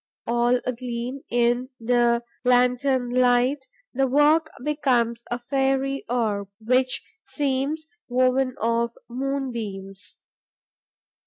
All agleam in the lantern light, the work becomes a fairy orb, which seems woven of moonbeams.